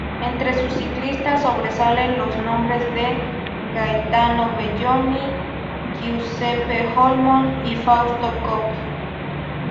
Entre sus ciclistas, sobresalen los nombres de Gaetano Belloni, Giuseppe Olmo y Fausto Coppi.